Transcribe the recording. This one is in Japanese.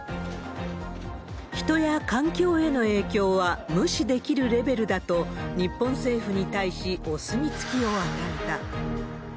人や環境への影響は無視できるレベルだと、日本政府に対しお墨付きを与えた。